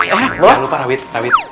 eh lupa rawit